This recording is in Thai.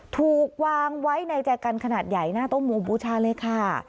ถูกวางไว้ในแจกันขนาดใหญ่หน้าโต๊หมู่บูชาเลยค่ะ